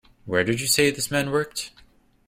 Where did you say this man worked?